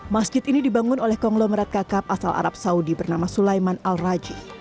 masjid ini dibangun oleh konglomerat kakap asal arab saudi bernama sulaiman al raji